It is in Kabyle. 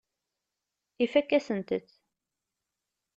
Ifakk-asent-tt.